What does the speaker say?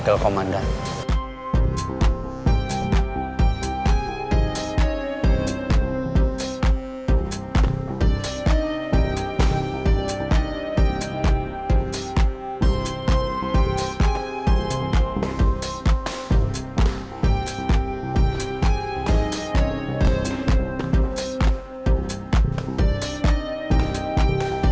terima kasih bang